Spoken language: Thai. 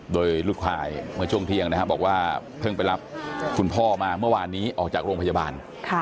โดยลูกชายเมื่อช่วงเที่ยงนะครับบอกว่าเพิ่งไปรับคุณพ่อมาเมื่อวานนี้ออกจากโรงพยาบาล